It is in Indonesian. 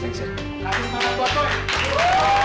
kami semangat buat lo